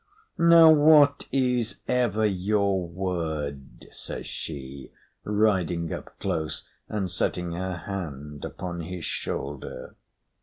"Now what is ever your word?" says she, riding up close and setting her hand upon his shoulder.